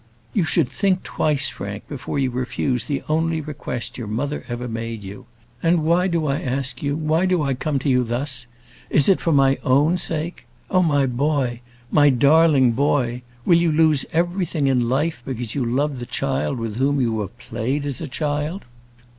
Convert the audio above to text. "You should think twice, Frank, before you refuse the only request your mother ever made you. And why do I ask you? why do I come to you thus? Is it for my own sake? Oh, my boy! my darling boy! will you lose everything in life, because you love the child with whom you have played as a child?"